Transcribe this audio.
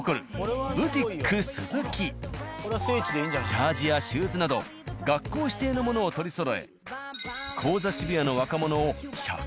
ジャージやシューズなど学校指定のものを取りそろえ。